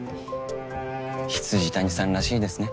未谷さんらしいですね。